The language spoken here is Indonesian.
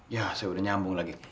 ya saya udah nyambung lagi